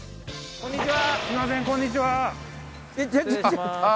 こんにちは。